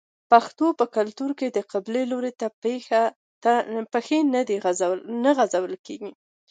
د پښتنو په کلتور کې د قبلې لوري ته پښې نه غځول کیږي.